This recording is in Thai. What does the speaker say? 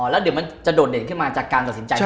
อ๋อแล้วเดี๋ยวมันจะโดดเด่นขึ้นมาจากการตัดสินใจที่เขาเห็น